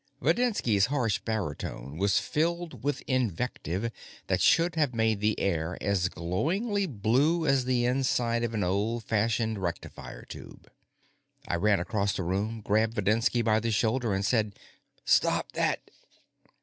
Videnski's harsh baritone was filled with invective that should have made the air as glowingly blue as the inside of an old fashioned rectifier tube. I ran across the room, grabbed Videnski by the shoulder and said: "Stop that!"